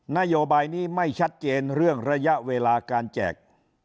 นโยบายนี้ไม่ชัดเจนเรื่องระยะเวลาการแจก